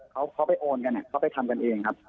คือเขาไปโอนกันเนี่ยเขาไปทำกันเองครับ